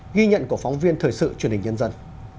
ghi nhận của phóng viên thời sự truyền hình nhân dân